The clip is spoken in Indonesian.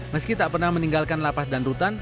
meski tak pernah meninggalkan lapas dan rutan